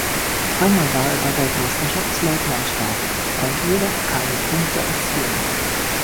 Dreimal war er bei Weltmeisterschaftsläufen am Start, konnte jedoch keine Punkte erzielen.